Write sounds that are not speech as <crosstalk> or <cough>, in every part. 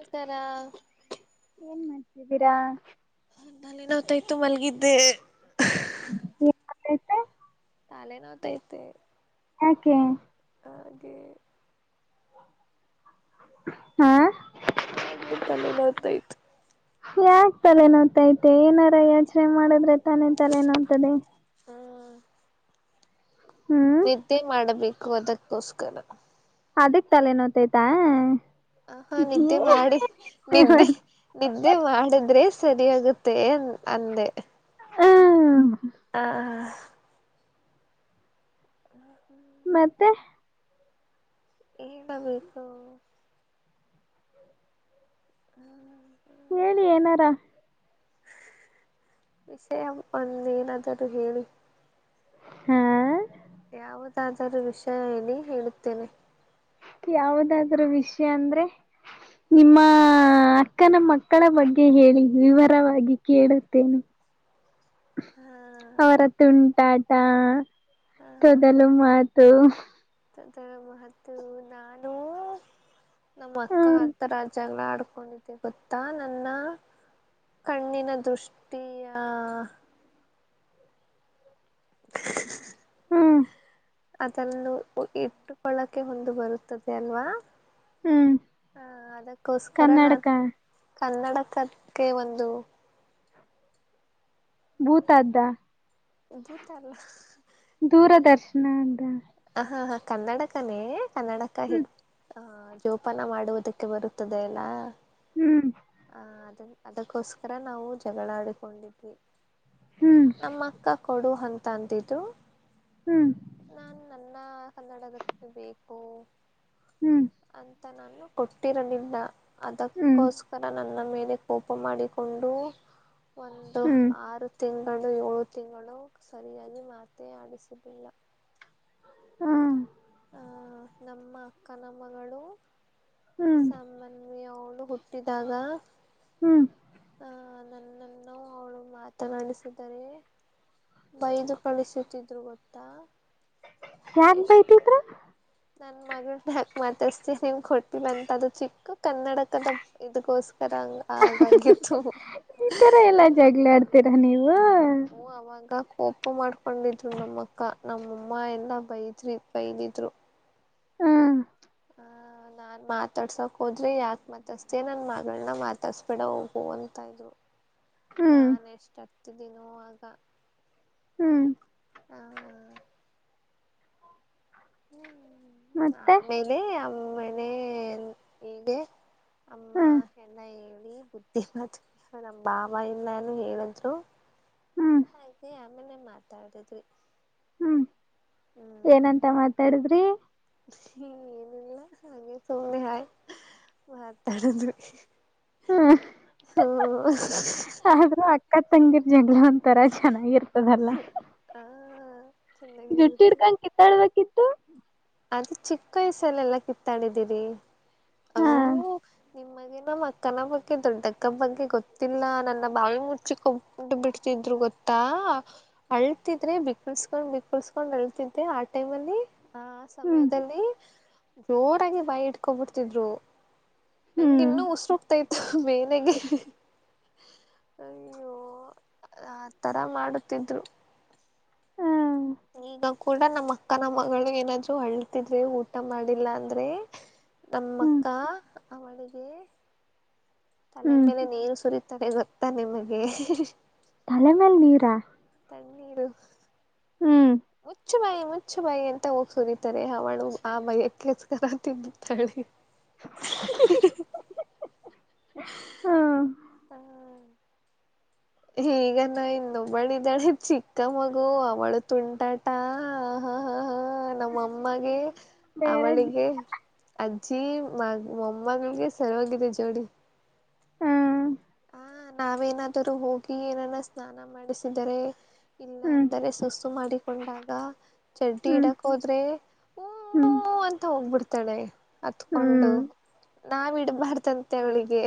ಮ್ಸ್ಕಾರ ಹಿದ್ದೀರಾ ನಾನಿನೊತ್ತಾಯ್ತು ಮಲ್ಗಿದ್ದೆ <unintelligible> ಅಲ್ಲೆನೋಯ್ತೈತ್ ಯಾಕೆ ಹಾಗೆ <inaudible> ಹಾ ಹಾಗೆ ತಲೆ ನೋತಾಯ್ತು. ಯಾಕ್ ತಲೆ ನೋತೈತೆ ಏನಾರ ಯೋಚ್ನೆ ಮಾಡದ್ರೆ ತಾನೆ ತಲೆ ನೋಯ್ತದೆ. ಹ್ಮ ಹ್ಮ್ ನಿದ್ದೆ ಮಾಡಬೇ ಕದಕ್ಕೋಸ್ಕರ. ಅದಕ್ ತಲೆ ನೋತೈಯ್ತಾ. ಆ ಹಾ ನಿದ್ದೆ ಮಾಡಿ ನಿದ್ದೆ ನಿದ್ದೆ ಮಾಡಿದ್ರೆ ಸರಿ ವೊಗುತ್ತೆ ಅಂದೆ ಹ್ಮ್ ಹ ಹ ಮತ್ತೆ <unintelligible> <unintelligible> ಹೇಳಿ ಏನಾರ. ವಿಷಯ ಒಂದೇನಾದರೂ ಹೇಳಿ. ಹ್ಮ್ಂ ಯಾವುದಾದರೂ ವಿಷಯ ಎಲಿ ಹೇಳುತ್ತೇನೆ. ಯಾವದಾದ್ರೂ ವಿಷ ಅಂದ್ರೆ ನಿಮ್ಮಾ ಅಕ್ಕನ ಮಕ್ಕಳ ಬಗ್ಗೆ ಹೇಳಿ ವಿವರವಾಗಿ ಕೇಳುತ್ತೇನೆ. ಹ್ಮ ಅವ್ರ ತುಂಟಾಟ ಹಾ ತೊದಲು ಮಾತು <unintelligible> ನಾನು ನಮ್ಮಕ್ಕ ಹ್ಮ್ ಅತ್ತರ ಜಗ್ಳ ಡ್ಕೊಂಡಿದ್ದೆ ಗೊತ್ತಾ ನನ್ನ ಕಣ್ಣಿನ ದೃಷ್ಟಿಯ <unintelligible> ಹ್ಮ್ ಅದನ್ನು ಇಟ್ಟುಕೊಳ್ಳೊಕೆ ಹೊಂದು ಬರುತ್ತದೆ ಅಲ್ವಾ. ಹ್ಮ್ ಹಾ ಅದಕ್ಕೋಸ್ಕರ ನಾ ಕನ್ನಡಕ ಕನ್ನಡ್ಕಕ್ಕೆ ಒಂದು ಭೂತದ್ದ ಭೂತ ಅಲ್ಲ <inaudible> ದೂರದರ್ಶ್ನ ಅಂದ. ಹ ಹಾ ಹಾ ಕನ್ನಡಕನೇ. ಕನ್ನಡಕ್ಕ ಹಿ. ಹ್ಮ್ ಹ ಜೋಪಾನ ಮಾಡುವುದಕ್ಕೆ ಬರುತ್ತದೆ ಅಲ್ಲ. ಹ್ಮ್ ಹಾ ಅದ. ಅದಕ್ಕೋಸ್ಕರ ನಾವು ಜಗಳ ಆಡು ಕೊಂದಿವೆ. ಹ್ಮ್ ನಮ್ಮ ಅಕ್ಕ ಕೊಡು ಹಂಗ. ತಂತಿದ್ದು. ಹ್ಮ್. ಕನ್ನಡದಕ್ಕೆ ಬೇಕು. ಹ್ಮ್ ಅ. ನಾನು ಕೊಟ್ಟಿರಲಿಲ್ಲ. ಹ್ಮ್ ಅದಕ್ಕೋಸ್ಕರ ನ. ನನ್ನ ಮೇಲೆ ಕೋಪ ಮಾಡಿಕೊಂಡು. ಒಂದು ಹ್ಮ್ ಆರು ತಿಂಗಳು. ಕಂಡು ಏಳು ತಿಂಗಳು ಸರಿಯಾಗಿ ಮಾತೆ ಆಡಿಸುದಿಲ್ಲ. ಹ್ಮ. ಹ ನಮ್ಮ ಅಕ್ಕನಮ್ಮಗಳು. ಹ್ಮ್ ಸಾಮನ್ಯ. ಇವಳು ಹುಟ್ಟಿದಾಗ. ಹ್ಮ್. ಆ ನನ್ನನ್ನು ಅವಳು ಮಾತನಾಡಿಸಿದರೆ. ಬೈದು ಕಳಿಸುತ್ತಿದ್ದ. ಇರುವಂತ. ಯಾಕ್ ಬೈತಿದ್ರು. ನನ್ ಮಗಳು ಯಾಕ ಮಾತಾಡ್ಸ್ತಿ ನಿಮ ಕೊಟ್ಟಿಲ್ಲ ಅಂತ ಅದು ಚಿಕ್ಕ ಕನ್ನಡಕದ ಇದಗೋಸ್ಕ. ಅಂತರಂಗ ಆಗಂಗಿತ್ತು. ಬೇಡ ನೀವು. ಓ ಅವಾಗ. ಕೋಪ ಮಾಡ್ಕೊಂಡಿದ್ರು ನಮ್ಮ ಅಕ್ಕ ನಮ್ಮಮ್ಮ ಎಲ್ಲಾ ಬೈದ್ರಿ ಬೈದಿದ್ರು. ಹ. ಹ ನಾನ್ ಮಾತಾಡ್ಸಕ್ ಹೋದ್ರೆ ಯಾಕ ನನ್ ಮಾತಾಡ್ಸ್ತೀಯಾ ನನ್ ಮಗಳನ್ನ ಮಾತಾಡ್ಸ್ಬಿಡ ಹೋಗು ಅಂತ ಅಂದ್ರು. ಹ್ಮ್ ನಾನ್ ಇಷ್ಟದ. ತ್ತೆದಿನೋ ಆಗಾ. ಹ್ಮ್. ಹಾ. ನಿನ್ನೇ. ಮತ್ತೆ ಆಮೇಲೆ ಅಂ. ಮನೆ ಏನ್ ಇದೆ. ಅಮ್ಮಾ ಹ್ಮ್ ಹೆಣ್ಣೇ ಇವ. ನೀ ಬುದ್ಧಿ ಮತ್ತ ಸ ನಮ್ ಬಾವಾ ಇಲ್ಲಾನು ಹೇಳುದ್ರು ಹ್ಮ್ ಆಯಿತಿ ಆಮ್ಮೇಲೆ ಮಾತಾಡಿದ್ವಿ. ಹ್ಮ್. ಏನ ಅಂತ ಮಾತಾಡಿದ್ರಿ. ಕ್ಷಿ ಏನು ಇಲ್ಲ ಹಾಗೆ ಸುಮ್ಮ್ನೆ ಹಾಯ್ ಮಾತಾಡದ್ವಿ. ಹ್ಮ ಆದ್ರೂ ಅಕ್ಕಾತ್. ತಂಗಿರ್ ಜಂಗ. ಎಂಥರಾ ಝನಾ ಇರ್ತದಲ್ಲಾ ಹಾ ಚೆನ್ನಾಗಿರುತ್ತೆ ಜುಟ್ಟಿಹಿಡ್ಕೊಂಡ ಕಿತ್ತಾಳ್ಬೇಕ ಇತ್ತು. ಅದು ಚಿಕ್ಕ ವಯಸ್ಸಲ್ಲೆಲ್ಲಾ ಕಿತ್ತಾಡಿದೀರಿ. ಹಾ ಅಂಮ್ಯೂಗ್. ನಿಮಗೆ ನಮ್ಮ್ ಅಕ್ಕನ ಬಗ್ಗೆ ದೊಡ್ಡಕ್ಕ ಬಗ್ಗೆ ಗೊತ್ತಿಲ್ಲಾ ನನ್ನ ಬಾವಿ ಮುಚ್ಚಿಕೊಂಡು ಬಿಡ್ತಿದ್ರು ಗೊತ್ತಾ ಅಳ್ತಿದ್ರೆ ಬಿಕ್ಕಳ್ಸ್ಕೊಂಡ್ ಬಿಕ್ಕಳ್ಸ್ಕೊಂಡ್ ಅಳ್ತಿದ್ದೆ ಆ ಟೈಮಲ್ಲಿ ಆ. ಹ್ಮ್ ತ್ತಮಯದಲ್ಲಿ. ಜೋರಾಗಿ ಬಾಯಿ ಇಟ್ಕೊಬಿಡ್ತಿದ್ರು. ತಂಗ ಹ್ಮ್ ಇನ್ನೂ ಉಸರುಗ್ತಾ ಇತ್. ಮೇನೆಗೆ. ಅಯ್ಯೋ ಆ ತ್ತರಾ ಮಾಡುತ್ತಿದ್ರು. ಹ್ಮ್ ಈಗ ಕೂಡಾ ನಮ್ಮ್ ಅಕ್ಕಾನ ಮಗಳಿಗ ಇನ್ನ ಜೋ ಹಳ್ತಿದ್ರೆ ಊಟಾ ಮಾಡಿಲ್ಲಾ ಅಂದ್ರೆ. ನಮ್ಮ ಹ್ಮ್ ಅಕ್ಕಾ. ಅವಳಿಗೆ. ತಲೈ ಹ್ಮ್ ಮೇಲೆ ನೀರು ಸುರಿತ್. ತ್ತಡೆ ಗೊತ್ತಾ ನಿಮಗೆ. ತ್ಹಲೆ ಮೇಲ್ ನೀರಾ. ಎಣ್ಣೀರು. ಹ್ಮ್. ಮುಚ್ಚು ಬಾಯಿ ಮುಚ್ಚುಬಾಯಿ ಎಂತ ಹೋಗಿ ಸುರಿತಾರೆ ಹವಳು ಆ ಬೈ ಕೆಕರ ತಿದ್ದುತ್ತಾಳೆ. <unintelligible> ಹ್ಮ್ ಅ. ಹೀಗ ನಾ ಇನ್ನೊಬ್ಬಳ ಇದಿದ್ದಾಳೆ ಚಿಕ್ಕ ಮಗು ಅವಳು ತುಂಟಾಟ ಹ ಹ ಹ ಹ ಹ ಹ ನಮ್ಮಮ್ಮಗೆ. ಬೇರೆ ಜಿ- ಅವಳಿಗೆ ಅ್ಜ ಛಿ ಮ ಮೊಮ್ಮಗಳಿಗೆ ಸರೋಗಿದೆ ಜೋಡಿ. ಹ್ಮ್ ಹ ನಾವೇನಾದರೂ ಹೋಗಿ ಏನನ್ನ ಸ್ನಾನ ಮಾಡಿಸಿದರೆ. ಇಲ್ಲ ಹ್ಮ್ ಅಂದರೆ ಸುಸ್ಸು ಮಾಡಿಕೊಂಡಾಗ ಚಡ್ಡಿ ಹ್ಮ್ ಇಡಕ್ ಹೋದ್ರೆ ಹೂ ಹೂ ಹ್ಮ್ ಹೂ ಅಂತ ಹೋಗ್ಬಿಡ್. ತಳೆ ಹತ್ಕೊಂಡು ಹ್ಮ್ ನಾವ್ ಇಡ್ಬಾರ್ದಂತೆ ಅವಳಿಗೆ.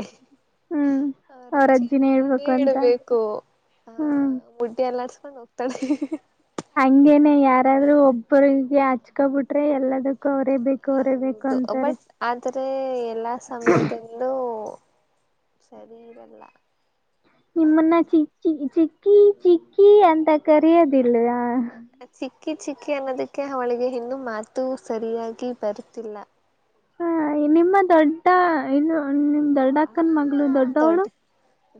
ಹ್ಮ್ ಅವ್ರ್ ಅವ್ರ ಅಜ್ಜಿನೇ ಅಜ್ಜಿನೆ ಹೇಳ್ಬೇಕು ಅಂತ ಇಡ್ಬೇಕು ಆ ಹ್ಮ್ ಮುಟ್ಟಿಯ ಅಲ್ಲಡ್ಸ್. ಮುಗಸ್ಕೊಂಡು ಹೋಗ್ತಾಳ <inaudible> ಹಂಗೇನೆ ಯಾರ್ ಯಾರಾದ್ರು ಒಬ್ಬರಿಗೆ ಹಚ್ಕೊ ಬುಟ್ರೆ ಎಲ್ಲದುಕ್. ಹೌದು ಬಟ್ ಆದ್ರೆ ಎಲ್ಲಾ ಸಮಯದಲ್ಲೂ. ಸರಿ ಇರಲ್ಲ ನಿಮ್ಮನ್ನ ಅಲ್ವಾ ಚಿ ಚಿ ಚಿ ಕೀ ಚಿಕ್ಕೀ ಅಂತ ಕರೆಯೋದಿಲ್ ವಾ <unintelligible> ಚಿಕ್ಕಿ ಚಿಕ್ಕಿ ಅನ್ನೋದುಕ್ಕೆ ಅವಳಿಗೆ ಇನ್ನೂ ಮಾತು ಸರಿಯಾಗಿ ಬರ್ತಿಲ್ಲ. ಹಾ ನಿಮ್ಮ ದೊಡ್ಡ ಇನ್ನು ನಿಮ್ ದೊಡ್ಡಕ್ಕನ್ ಮಗಳು ದೊಡ್ಡವಳು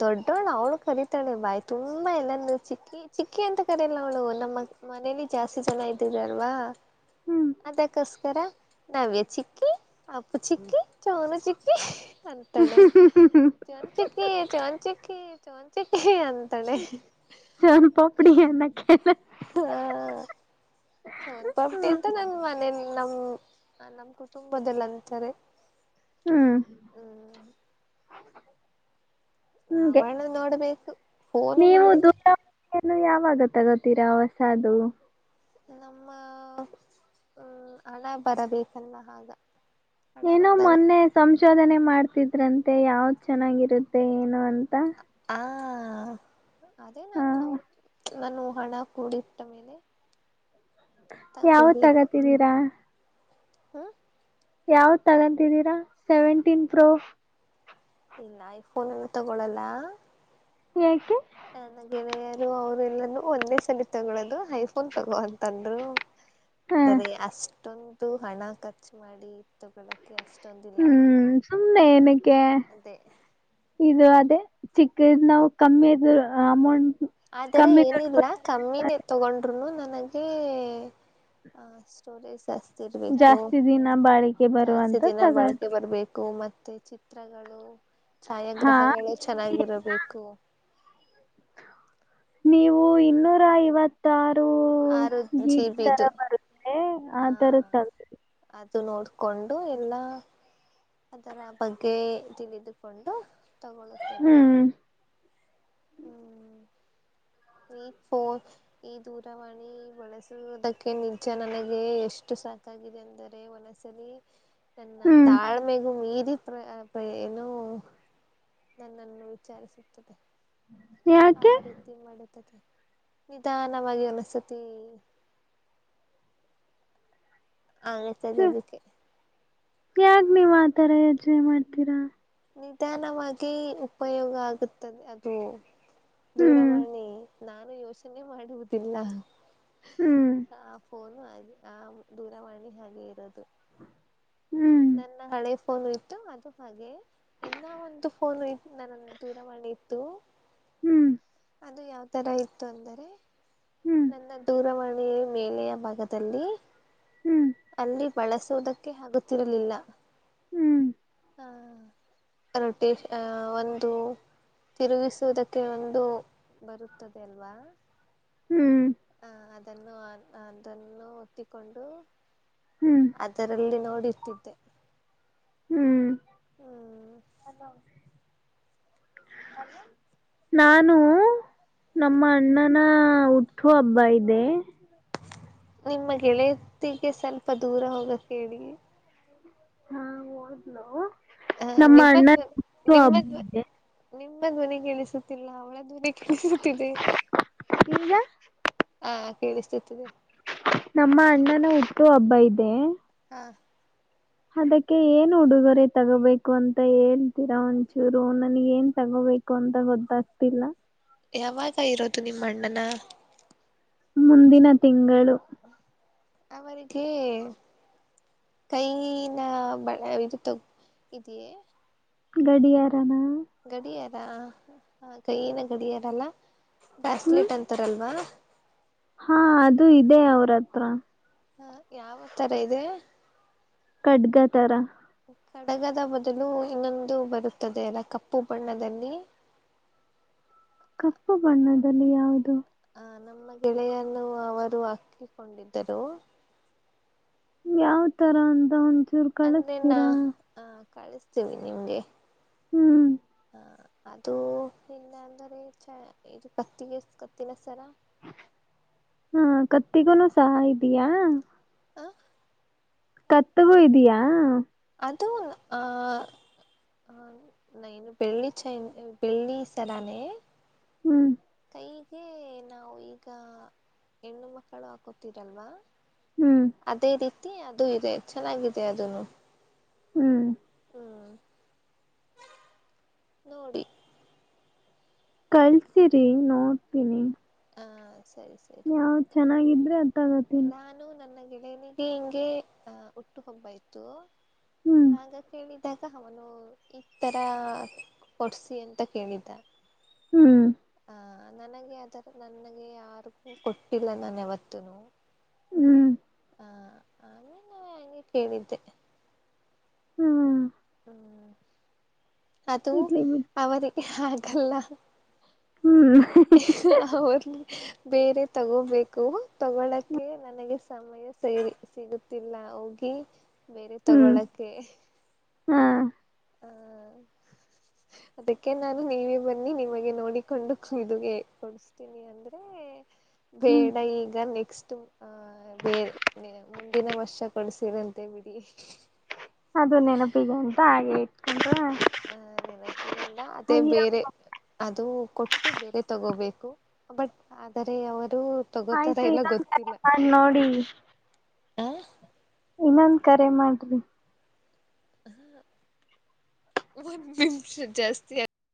ದೊಡ್ಡವಳು ಅವ್ಳು ಕರೀತಾಳೆ ಬಾಯ್ ತುಂಬಾ ಎಲ್ಲರ್ ನು ಚಿಕ್ಕಿ ಚಿಕ್ಕಿ ಅಂತ ಕರಿಯಲ್ಲ ಅವಳು ನಮ್ಮ ಮನೇಲಿ ಜಾಸ್ತಿ ಜನ ಇದ್ದಿರಲ್ವಾ ಹ್ಮ್ ಅದೇ ಕಸ್ <unintelligible> ನವ್ಯ ಚಿಕ್ಕಿ ಅಪ್ಪು ಚಿಕ್ಕಿಚೋನು ಚಿಕ್ಕಿ <unintelligible> ಚೊನ್ ಚಿಕ್ಕಿ ಚೊನ್ ಚಿಕ್ಕಿ. ಚೊನ್ ಚಿಕ್ಕಿ ಅಂ ಸೋಂಪಪುಡಿ ಅನ್ನಕ್ಕೆ <inaudible> ಹಾ ಸೋನ್ಪಾ ಹ್ಮ ಪುಡಿ ಅಂತ ನನ್ ಮನೇಲಿ. ನಮ್ ನಮ್ ಕುಟುಂಬದಲ್ ಅಂತರೆ. ಹ್ಮ ನಾವ್ಣ ನೋಡ್ಬೇಕು ಫೋನು ನೀವು ಮಾಡಿದ್ದೆ ದೂರವಾಣಿಯನ್ನು ಯಾವಾಗ ತಗೋತೀರಾ ಹೊಸದು. ನಮ್ಮ ಹ್ಮ ಹಣ ಬರಬೇಕಲ್ಲಾ ಹಾಗ. ಏನೋ ಮೊನ್ನೆ ಸಂಶೋಧನೆ ಮಾಡ್ತಿದ್. ಅದ್ರಂತೆ ಯಾವ್ದ್ ಚೆನ್ನಾಗಿರುತ್ತೆ ಏನು ಅಂತ ಹಾ ಅದೇ ಹ ನಾನು ನೋಡಿ ನಾನು ಹಣ ಕೂಡಿಟ್ಟ ಮೇಲೆ. ಯಾವತ್ ತಗತ್ತಿದೀರಾ. ಹಾ ಯಾವ ತಗಂತಿದ್ದೀರಾ ಸೆವೆಂಟೀನ್ ಪ್ರೋ ಇಲ್ಲ ಐಫೋನ್ ತಗೊಳಲ್ಲ. ಯಾಕೆ ಹಾ ಗೆಳೆಯರು ಎಲ್ಲನು ಒಂದೇ ಸರಿ ತಗೊಳ್ಳೋದು ಐಫೋನ್ ತಗೋ ಅಂತ್. ತಂದರು ಹ ಸರಿ ಅಷ್ಟೊಂದು. ಇತ್ತು ಹಣ ಖರ್ಚು ಮಾಡಿ ತಕೊಳೋದ್ ಕ್ಕೆ ಅಷ್ಟೊಂದಿಲ್ಲ ಇಲ್ಲ ಏನಿಕ್ ಕ್ಕೆ ಅದೇ ಇದು ಅದೇ. ಚಿಕ್ಕ ಇದ್ ನಾವು ಕಮ್ಮಿ ಇದು ಅಮೌಂಟ್. ಆದರೆ ಕಮ್ಮಿ ದುಡ್ಡು ಏನಿಲ್ಲ ಕಮ್ಮಿನೇ ತಗೊಂಡ್. ಅದರಲ್ಲೂ ನನಗೆ ಸ್ಟೋರೇಸಸ್. ಕೊಟ್ಟು ತರ್ಬೇಕು ಜಾಸ್ತಿ ದಿನ ಬಾಳಿಕೆ ಜಾಸ್ತಿ ಬರುವಂತ ದಿನ ತಗೊಂಡು ಬಳಕೆ ಬರ್ಬೇಕು ಮತ್. ಮತ್ತೆ ಚಿತ್ರಗಳು ಹಾ ಛಾಯಾಗ್ರಹಗಳೇ ಚೆನ್ನಾಗಿರಬೇಕು. ನೀವು ಇನ್ನೂರ ಐವತ್ತಾರ್. ಆರು ಜಿಬಿದು ಬರುತ್ತೆ ಆ ಹಾ ತರದ್ ತಗೋ ಅದ್. ಇದು ನೋಡಕೊಂಡು ಎಲ್ಲ ಅದರ ಬಗ್ಗೆ ತಿಳಿದುಕೊಂಡು. ತಗೋಳುತ್ತೇನೆ. ಹ್ಮ್ ಹ್ಮ್ ಈ ಫೋನ್ ಈ ದೂರವಾಣಿ ಬಳಸುವುದಕ್ಕೆ ನಿಜ ನನಗೆ ಎಷ್ಟು ಸಾಕಾಗಿದೆ ಅಂದರೆ ಒನ್ಒನ್ ಸಲಿ. ನನ್ನ ಹ್ಮ್ ತಾಳ್ಮೆಗು ಮೀರಿ. ಇ ಪ್ರಪ್ರ ಏನು ನನ್ನನ್ನು ವಿಚಾರಿಸುತ್ತದೆ. ಆ ಯಾಕೆ ರೀತಿ ಮಾಡುತ್ ನಿಧಾನವಾಗಿ ಅನಸ್ತತಿ. ಹಂಗೆ ಸರಿ ಅದಕ್ಕೆ. ಯಾಕ್ ನೀವ್ ಆತರ ಯೋಚನೆ ಮಾಡ್ತೀರಾ? ನಿಧಾನವಾಗಿ ಉಪಯೋಗ ಆಗುತ್ತದೆ ಅದು ಹ್ಮ್ ದೂರವಾಣಿ ನಾನು ಯೋಚನೆ ಮಾಡುವುದಿಲ್ಲ. ಹ್ಮ್ ನಾ ಫೋನ್ ಹಾಗೆ ಆ ದೂರವಾಣಿ ಹಾಗೆ ಇರೋದು. ಹ್ಮ್ ನನ್ನ ಹಳೆ ಫೋನು ಇತ್ತು ಅದು ಹಾಗೆ ಇನ್ನ ಒಂದು ಫೋನು ಇತ್ತು ನನ್ನ ದೂರವಾಣಿ ಇತ್ತು. ಹ್ಮ್ ಅದು ಯಾವ ತರ ಇತ್ತು ಅಂದರೆ ಹ್ಮ್ ನನ್ನ ದೂರವಾಣಿ ಮೇಲೆಯ ಭಾಗದಲ್ಲಿ ಹ್ಮ್ ಅಲ್ಲಿ ಬಳಸೋದಕ್ಕೆ ಹಾಗು ತ್ತಿರ್ಲಿಲ್ಲ. ಹ್ಮ್ ಆ ರೊಟೆಷ್ ಒಂದು ತಿರುಗಿಸುವುದಕ್ಕೆ ಒಂದು ಬರುತ್ತದೆ ಅಲ್ವಾ. ಹ್ಮ್ ಹ್ಮ್ ಹ ಅದನ್ನು ಅದನ್ನು ಒತ್ತಿಕೊಂಡು ಹ್ಮ್ ಅದರಲ್ಲಿ ನಾವು ರ್ತಿದ್ದೆ. ಹ್ಮ್ ಹಲೋ ನಾನು ನಮ್ಮಣ್ಣನ ಹುಟ್ಟು ಹಬ್ಬ ಇದೆ. ನಿಮ್ಮ ಗೆಳೆತಿಗೆ ಸ್ವಲ್ಪ ದೂರ ಹೋಗಕ್ಕೇಳಿ. ಹಾ ಹೋದ್ಲು. ಹ ನಮ್ಮ ನಿಮ್ಮ ಅಣ್ಣಂದು ಹುಟ್ಟು ನಿಮ್ಮ ಹಬ್ಬ ಇದೆ. ನಿಮ್ಮ ಧ್ವನಿ ಕೇಳಿಸುತ್ತಿಲ್ಲ ಅವಳ ಧ್ವನಿ ಕೇಳಿಸುತ್ತಿದೆ. ಈಗ ಹಾ ಕೇಳುಸ್ತುತಿದೆ. ನಮ್ಮ ಅಣ್ಣನ ಹುಟ್ಟು ಹಬ್ಬ ಇದೆ. ಹಾ ಅದಕ್ಕೆ ಏನ್ ಉಡುಗೊರೆ ತಗೋಬೇಕು ಅಂತ ಹೇಳ್ತೀರಾ ಒಂಚೂರು ನನ್ಗೇನ್ ತಗೋಬೇಕು ಅಂತ ಗೊತ್ತಾಗ್ತಿಲ್ಲ. ಯಾವಾಗ ಇರೋದು ನಿಮ್ಮ ಅಣ್ಣನ ಮುಂದಿನ ತಿಂಗಳು. ಅವರಿಗೆ ಕೈನ ಬ ಇದು ತುಗೊ ಇದಿಯೇ? ಗಡಿಯಾರನ? ಗಡಿಯಾರ ಕೈಯಿನ ಗಡಿಯಾರಲ್ಲ. ಹ್ಮ್ ಬ್ರಾಸ್ಲೆಟ್ ಅಂತಾರಲ್ವಾ. ಹಾ ಅದು ಇದೆ ಅವ್ರತ್ರ. ಹಾ ಯಾವ್ತರ ಇದೆ? ಕಡ್ಗ ತರಾ. ಕಡಗದ ಬದಲು ಇನ್ನೊಂದು ಬರುತ್ತದೆ ಅಲ್ಲ ಕಪ್ಪು ಬಣ್ಣದಲ್ಲಿ. ಕಪ್ಪು ಬಣ್ಣದಲ್ಲಿ ಯಾವುದು? ಆ ನಮ್ಮ ಗೆಳೆಯನ್ನು ಅವರು ಹಾಕ್ಕಿಕೊಂಡಿದ್ದರು. ಯಾವ್ ತರ ಅಂತ ಒಂದು ಚೂರು ಅಂದರೆ ನಾ ಕಳಸ್ತೀರಾ. ಕಳಿಸ್ತೀವಿ ನಿಮ್ಗೆ. ಹ್ಮ್ ಹಾ ಅದು ಇಲ್ಲ ಅಂದ್ರ ಚ ಇದು ಕತ್ತಿಗೆ ಕತ್ತಿನಸರ ಹಾ ಕತ್ತಿಗೂನು ಸಹ ಇದೀಯಾ? ಆ ಕತ್ತಗೂ ಇದಿಯಾ? ಅದು ಆ ನೈನು ಬೆಳ್ಳಿ ಚೖನ್ ಬೆಳ್ಳಿ ಸರಾನೆ. ಹ್ಮ್ ಹೀಗೆ ನಾವು ಈಗ ಹೆಣ್ಣು ಮಕ್ಕಳು ಹಾಕೋತೀರಲ್ವಾ. ಹ್ಮ್ ಅದೇ ರೀತ್ ತಿ ಅದು ಇದೆ ಚೆನ್ನಾಗಿದೆ ಅದುನು. ಹ್ಮ್ ಹ್ಮ ನೋಡಿ. ಕಳ್ಸಿರಿ ನೋಡ್ತೀನಿ. ಹಾಂ ಸರಿ ಸರಿ. ದ ನಾನು ನನ್ನ ಗೆ ಗೆ <unintelligible> ಹಿಂಗೆ ಅ ಹುಟ್ಟು ಹಬ್ಬ ಇತ್ತು. ಹ್ಮ್ ಆಗ ಕೇಳಿದಾ ಅವನು ಕಿಟ್ ತರ ಕೊಡ್ಸಿ ಅಂತ ಕೇಳಿದ್ದ. ಹ್ಮ್ ಆ ನನಗೆ ಅದರ ಆ ರೂಪಿಕೊಟ್ಟಿಲ್ಲ ನಾನು ಯಾವತ್ತುನು. ಹ್ಮ್. ಹಂಗೆ ಕೇಳಿದ್ದೆ ಹ್ಮ ಹ್ಮ ಅದು ಇಡ್ಲಿ ಬಿಡ್ ಅವರ. ೆ ಹಾಗಲ್ಲ. ಹ್ಮ್ ಅವರು. ಬೇರೆ ತಗೋಬೇಕು ತಗಳಕ್ಕೆ ನನಗೆ ಸಮಯ ಸೇರಿ ಸಿಗುತ್ತಿಲ್ಲ ಹೋಗಿ. ಬೇರೆ ಹ್ಮ್ ತಗೊಳಕ್ಕೆ. ಹಾ. ಹಾ ಅದಕ್ಕೆ ನಾನು ನೀವೇ ಬನ್ನಿ ನಿಮಗೆ ನೋಡಿಕೊಂಡು ಇದುಗೆ ಕೊಡಸ್ತೀನಿ ಅಂದ್ರೆ. ಹ್ಮ್ ಬೇಡ ಈಗ ನೆಕ್ಸ್ಟ್ ಅ ಬೇ ಬೆ ಮುಂದಿನ ವರ್ಷ ಕೊಡ್ಸಿರಂತೆ ಬಿಡಿ. ಅದು ನೆನಪಿಗೊ ಅಂತ ಹಾಗೆ ಇಟ್ಕೊಂಡ್ರ. ಹ ನೆನಪಿನಂದ ಅದೇ ಅಯ್ಯ ಬೇರೆ ಅದು. ಕೊಟ್ಟು ಬೇರೆ ತಗೋಬೇಕು ಬಟ್ ಆದರೆ ಅವರ್. ಆಯ್ತು ಇನ್ನೊಂದು <inaudible> ಮಾಡಿ ನೋಡಿ. ಹಾ. ಇನ್ನೊಂದ್ ಕರೆ ಮಾಡ್ರಿ. ಒಂದ್ನಿಮಿಷ ಜಾಸ್ತಿ